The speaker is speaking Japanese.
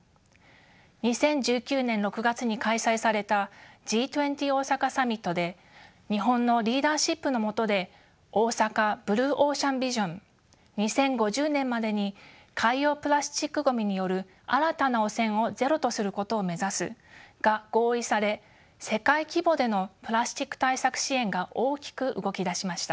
２０１９年６月に開催されたＧ２０大阪サミットで日本のリーダーシップの下で「大阪ブルー・オーシャン・ビジョン」２０５０年までに海洋プラスチックごみによる新たな汚染をゼロとすることを目指すが合意され世界規模でのプラスチック対策支援が大きく動き出しました。